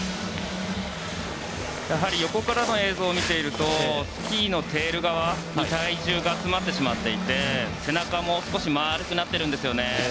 やはり横からの映像を見ているとスキーのテール側に体重が集まってしまっていて背中も丸くなっているんですよね。